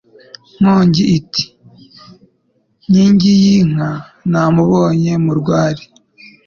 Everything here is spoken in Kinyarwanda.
Nkongi iti : Nkingiyinka Namubonye mu rwari